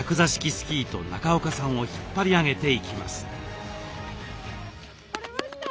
スキーと中岡さんを引っ張り上げていきます。